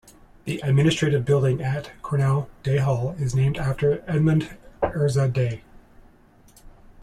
The administrative building at Cornell, Day Hall, is named after Edmund Ezra Day.